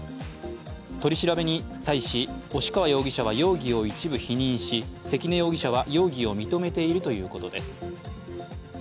取り調べに対し、押川容疑者は容疑を一部否認し関根容疑者は容疑を認めているということです